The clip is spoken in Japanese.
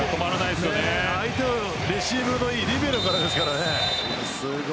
また、相手もレシーブの良いリベロですからね。